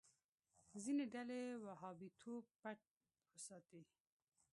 ځینې ډلې وهابيتوب پټ وساتي.